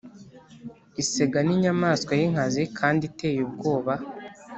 Isega n’inyamanswa yinkazi kandi iteye ubwoba